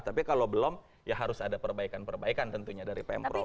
tapi kalau belum ya harus ada perbaikan perbaikan tentunya dari pemprov